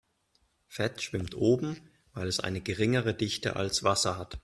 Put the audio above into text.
Fett schwimmt oben, weil es eine geringere Dichte als Wasser hat.